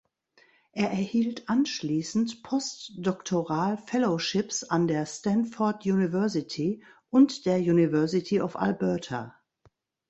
Er erhielt anschließend postdoctoral Fellowships an der Stanford University und der University of Alberta.